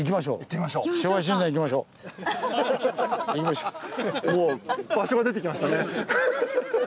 もう場所が出てきましたね。